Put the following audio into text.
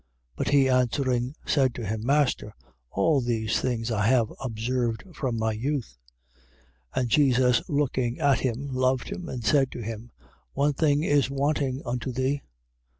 10:20. But he answering, said to him: Master, all these things I have observed from my youth. 10:21. And Jesus, looking on him, loved him and said to him: One thing is wanting unto thee.